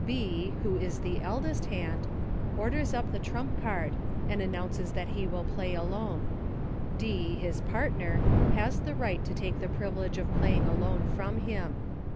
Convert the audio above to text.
B ; who is the eldest hand, orders up the trump card, and announces that he will Play Alone. D, his partner, has the right to take the privilege of Playing Alone from him.